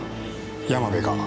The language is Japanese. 山部が。